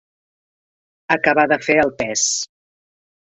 Acabar de fer el pes.